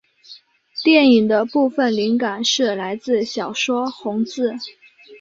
电影的部份灵感是来自小说红字。